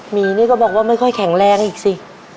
หมีนี่ก็บอกว่าไม่ค่อยแข็งแรงอีกสิ